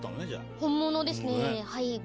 本物ですね。